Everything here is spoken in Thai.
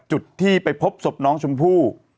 จุดที่ไปพบศพน้องชมพู่